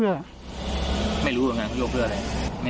แล้วอีกคนคุณนะ